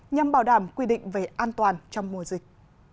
nhằm bảo đảm quy định về an toàn trong mùa dịch